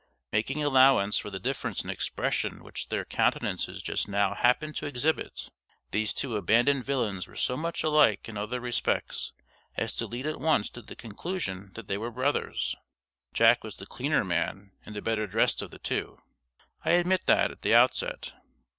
Making allowance for the difference in expression which their countenances just now happened to exhibit, these two abandoned villains were so much alike in other respects as to lead at once to the conclusion that they were brothers. Jack was the cleaner man and the better dressed of the two. I admit that, at the outset.